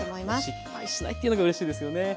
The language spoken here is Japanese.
失敗しないというのがうれしいですよね。